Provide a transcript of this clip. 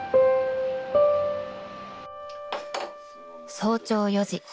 ［早朝４時。